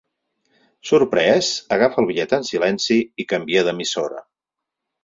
Sorprès, agafa el bitllet en silenci i canvia d'emissora.